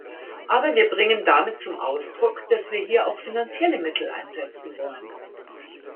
Aber wir bringen damit zum Ausdruck, dass wir hier auch finanzielle Mittel einsetzen wollen.